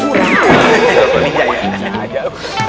kurang di jaya